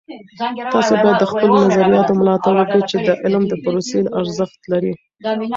تاسې باید د خپلو نظریاتو ملاتړ وکړئ چې د علم د پروسې ارزښت لري.